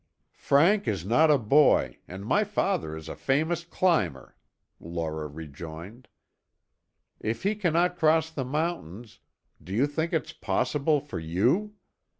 "Frank is not a boy, and my father is a famous climber," Laura rejoined. "If he cannot cross the mountains, do you think it's possible for you?